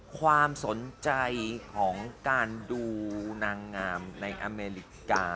ความสนใจของการดูนางงามในอเมริกา